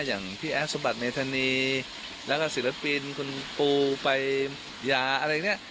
อย่างพี่แอดสมบัติเมธานีแล้วก็ศิลปินคุณปูไปยาอะไรเนี่ย